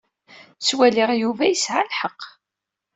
Ttwaliɣ Yuba yesɛa lḥeqq.